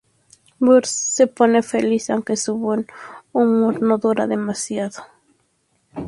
Burns se pone feliz, aunque su buen humor no dura demasiado.